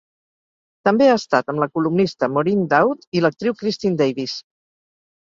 També ha estat amb la columnista Maureen Dowd i l'actriu Kristin Davis.